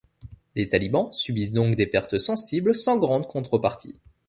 Les Talibans subissent donc des pertes sensibles sans grande contrepartie.